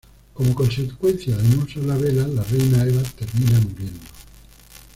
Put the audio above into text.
Como consecuencia de no usar la vela, la reina Eva termina muriendo.